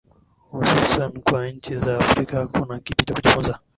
hususan kwa nchi za afrika kuna kipi cha kujifunza